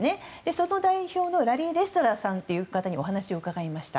その代表のラリー・レスターさんという方にお話を伺いました。